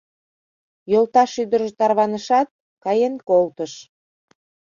Йолташ ӱдыржӧ тарванышат, каен колтыш.